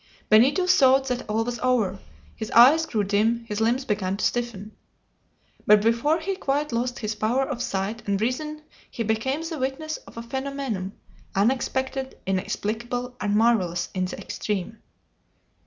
Benito thought that all was over; his eyes grew dim, his limbs began to stiffen. But before he quite lost his power of sight and reason he became the witness of a phenomenon, unexpected, inexplicable, and marvelous in the extreme.